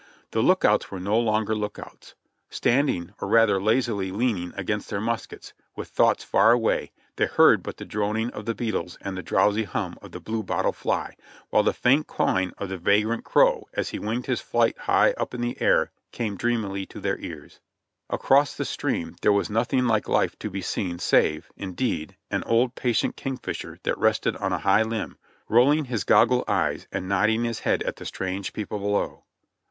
The lookouts were no longer lookouts. Standing, or rather, lazily leaning, against their muskets, with thoughts far away, they heard but the droning of the beetles and the drowsy hum of the blue bottle fly, while the faint cawing of the vagrant crow, as he winged his flight high up in the air, came dreamily to their ears. Across the stream there was nothing like life to be seen save, indeed, an old patient king fisher that rested on a high limb, rolling his goggle eyes and nodding his head at the strange people below.